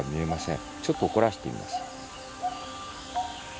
ちょっと怒らせてみます。